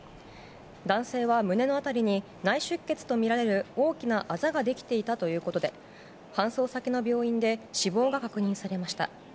男性は胸の辺りに内出血とみられる大きなあざができていたということで搬送先の病院で死亡が確認されました。